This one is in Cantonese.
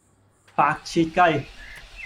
白切雞